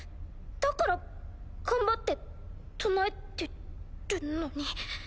だから頑張って唱えてるのに。